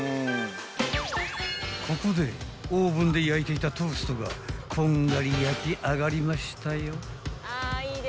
［ここでオーブンで焼いていたトーストがこんがり焼き上がりましたよ］